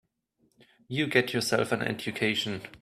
You get yourself an education.